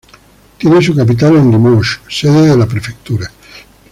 Tiene su capital en Limoges, sede de la prefectura.